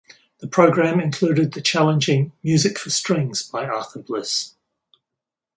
The programme included the challenging "Music for Strings" by Arthur Bliss.